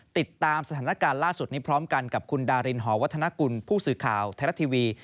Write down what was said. ติดตามสถานการณ์ล่าสุดนี้พร้อมกันกับคุณดารินหอวัฒนกุลผู้สื่อข่าวไทยรัฐทีวี